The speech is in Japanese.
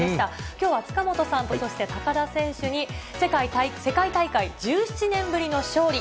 きょうは塚本さんと、そして高田選手に、世界大会１７年ぶりの勝利。